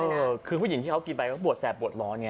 เออคือผู้หญิงที่เขาพินะคะครับบวชแสบบวชร้อนไง